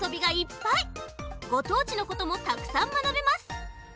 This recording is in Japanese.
ごとうちのこともたくさんまなべます！